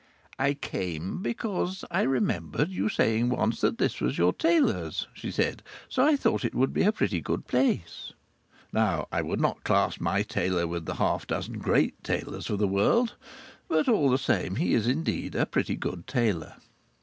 "I came here because I remembered you saying once that this was your tailor's," she said, "so I thought it would be a pretty good place." Now I would not class my tailor with the half dozen great tailors of the world, but all the same he is indeed a, pretty good tailor.